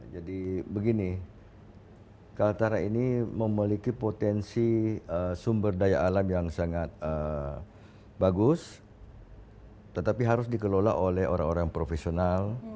jadi begini kalimantan utara ini memiliki potensi sumber daya alam yang sangat bagus tetapi harus dikelola oleh orang orang profesional